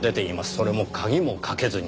それも鍵もかけずに。